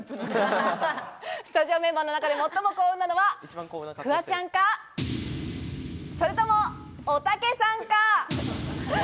スタジオメンバーの中で最も幸運なのはフワちゃんか、それともおたけさんか？